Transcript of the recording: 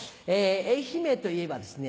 愛媛といえばですね